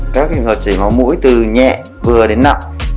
các hình hợp chảy máu mũi từ nhẹ vừa đến nặng